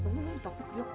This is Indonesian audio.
kamu ngantap dia kok